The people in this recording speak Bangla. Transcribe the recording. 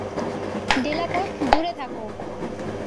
ডেলাকোর্ট, দূরে থাকো!